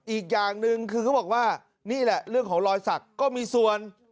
อีกอย่างหนึ่งคือเขาบอกว่านี่แหละเรื่องของรอยสักก็มีส่วน